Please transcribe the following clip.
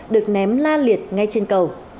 được ném la liệt ngay trên cầu